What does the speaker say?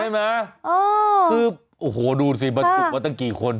ใช่ไหมดูสิบรรจุกว่าตั้งกี่คน